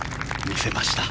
見せました。